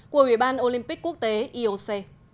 của ủy ban olympic quốc tế ioc